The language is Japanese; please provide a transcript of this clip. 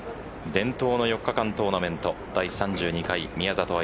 伝統の４日間トーナメント第３２回宮里藍